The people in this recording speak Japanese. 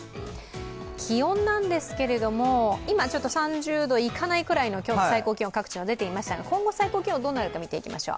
気温ですけれども、今３０度いかないくらいの今日の最高気温が出ていましたが今後最高気温がどうなるか見ていきましょう。